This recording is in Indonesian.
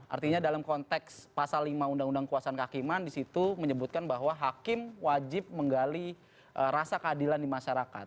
artinya dalam konteks pasal lima undang undang kuasaan kehakiman disitu menyebutkan bahwa hakim wajib menggali rasa keadilan di masyarakat